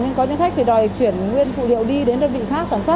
nhưng có những khách thì đòi chuyển nguyên phụ liệu đi đến đơn vị khác sản xuất